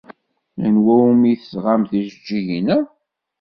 Anwa umi d-tesɣamt tijeǧǧigin-a?